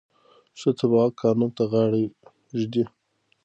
ښه تبعه قانون ته غاړه ږدي.